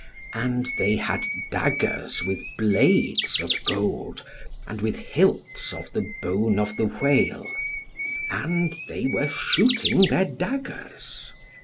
And they had daggers with blades of gold, and with hilts of the bone of the whale. And they were shooting their daggers.